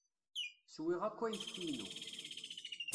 Swiɣ akk ayefki-inu.